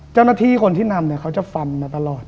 เจ้าหน้าที่คนที่นำเนี่ยเขาจะฟันมาตลอด